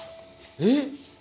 えっ？